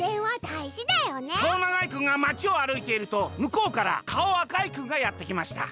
「かおながいくんがまちをあるいているとむこうからかおあかいくんがやってきました。